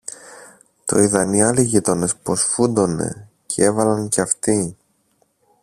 Το είδαν οι άλλοι γείτονες πως φούντωνε, κι έβαλαν και αυτοί.